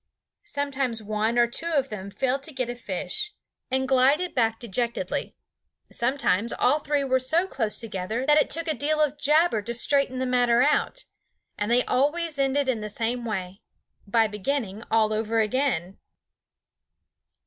Sometimes one or two of them failed to get a fish and glided back dejectedly; sometimes all three were so close together that it took a deal of jabber to straighten the matter out; and they always ended in the same way, by beginning all over again.